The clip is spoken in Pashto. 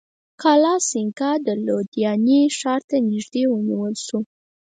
کالاسینګهـ د لودیانې ښار ته نیژدې ونیول شو.